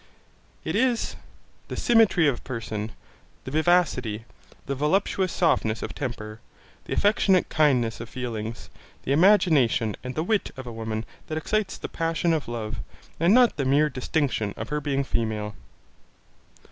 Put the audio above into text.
It is 'the symmetry of person, the vivacity, the voluptuous softness of temper, the affectionate kindness of feelings, the imagination and the wit' of a woman that excite the passion of love, and not the mere distinction of her being female.